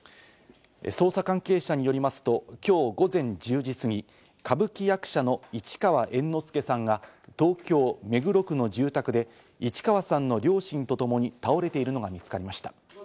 捜査関係者によりますと、きょう午前１０時過ぎ、歌舞伎役者の市川猿之助さんが東京・目黒区の住宅で市川さんの両親とともに倒れているのが見つかりました。